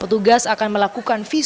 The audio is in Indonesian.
petugas akan melakukan penyelidikan